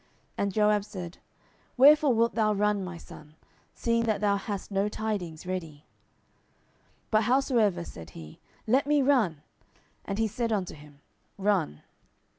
And Joab said, Wherefore wilt thou run, my son, seeing that thou hast no tidings ready? 10:018:023 But howsoever, said he, let me run. And he said unto him, Run.